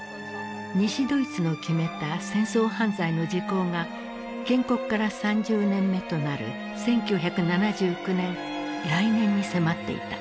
西ドイツの決めた戦争犯罪の時効が建国から３０年目となる１９７９年来年に迫っていた。